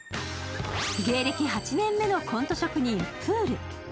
芸歴８年目のコント職人プール。